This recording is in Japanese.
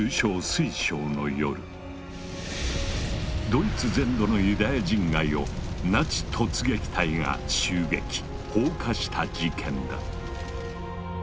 ドイツ全土のユダヤ人街をナチ突撃隊が襲撃・放火した事件だ。